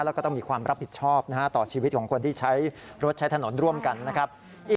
แล้วก็ต้องมีความรับผิดชอบต่อชีวิตของคนที่ใช้รถใช้ถนนร่วมกันนะครับ